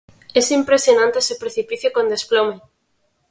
Es impresionante su precipicio con desplome.